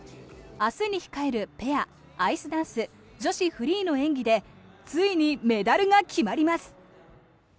明日に控えるペア、アイスダンス女子フリーの演技でついにメダルが決まります。